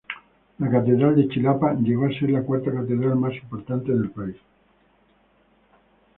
La catedral de Chilapa llegó a ser la cuarta catedral más importante del país.